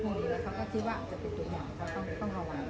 ตรงนี้แล้วเขาก็คิดว่าจะติดอย่างเขาต้องต้องระวัง